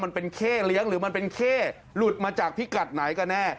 มันเป็นเข้เลี้ยงหรือมันเป็นเข้หลุดมาจากพิกัดไหนกันแน่